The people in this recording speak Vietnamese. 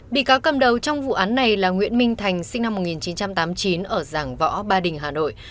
bị cáo cầm đầu trong vụ án này là nguyễn minh thành sinh năm một nghìn chín trăm tám mươi chín ở giảng võ ba đình hà nội